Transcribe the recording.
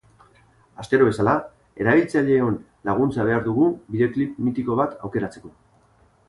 Astero bezala, erabiltzaileon laguntza behar dugu bideoklip mitiko bat aukeratzeko.